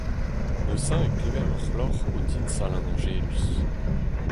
Neuze e klever ur c'hloc'h o tiñsal an añjeluz.